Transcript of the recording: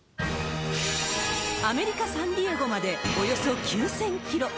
アメリカ・サンディエゴまでおよそ９０００キロ。